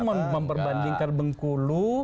kamu memperbandingkan bengkulu